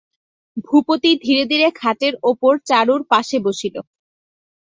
ভূপতি ধীরে ধীরে খাটের উপর চারুর পাশে বসিল।